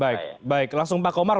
baik baik langsung pak komar